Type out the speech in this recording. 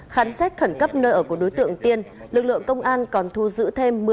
khám xét khẩn cấp nơi ở của đối tượng tiên lực lượng công an còn thu giữ thêm